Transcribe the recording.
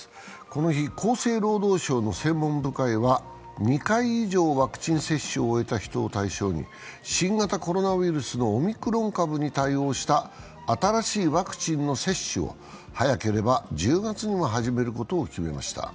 この日、厚生労働省の専門部会は２回ワクチン接種を終えた人を対象に新型コロナウイルスのオミクロン株に対応した新しいワクチンの接種を早ければ１０月にも始めることを決めました。